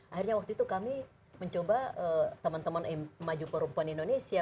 akhirnya waktu itu kami mencoba teman teman maju perempuan indonesia